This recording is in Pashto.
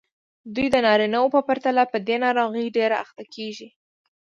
دوی د نارینه وو په پرتله په دې ناروغۍ ډېرې اخته کېږي.